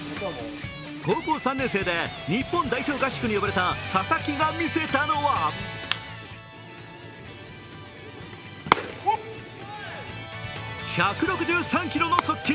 高校３年生で日本代表合宿に呼ばれた佐々木が見せたのは１６３キロの速球。